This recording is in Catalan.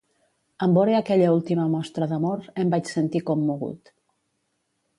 En vore aquella última mostra d'amor, em vaig sentir commogut.